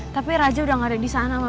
tapi raja udah gak ada di sana